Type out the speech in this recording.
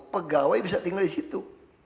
pegawai bisa tinggal disitu